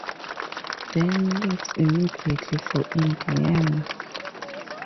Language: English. Dan leaves immediately for Indiana.